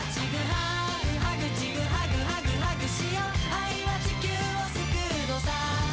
「愛は地球を救うのさ」